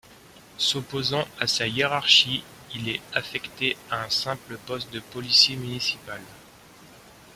S'opposant à sa hiérarchie, il est affecté à un simple poste de policier municipal.